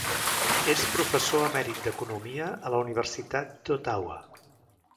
És professor emèrit d'economia a la Universitat d'Ottawa.